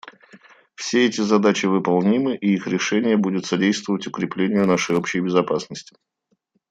Все эти задачи выполнимы, и их решение будет содействовать укреплению нашей общей безопасности.